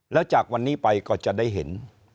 แล้วจากวันนี้ไปก็จะได้เห็น